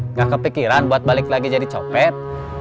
nggak kepikiran buat balik lagi jadi copet